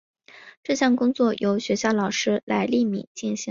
这项工作由学校老师来匿名进行。